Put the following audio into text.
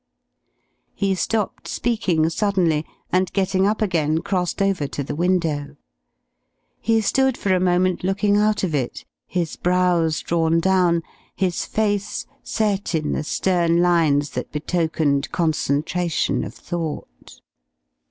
He stopped speaking suddenly, and getting up again crossed over to the window. He stood for a moment looking out of it, his brows drawn down, his face set in the stern lines that betokened concentration of thought.